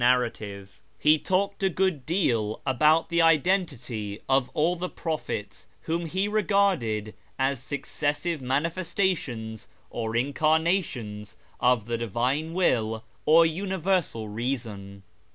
^ He talked a good deal about the identity of all the prophets, whom he regarded as successive Mani festations or Incarnations of the Divine Will or Universal Eeason.